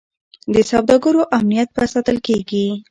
د سوداګرو امنیت به ساتل کیږي.